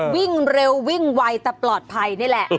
วิ่งเร็ววิ่งไวแต่ปลอดภัยนี่แหละ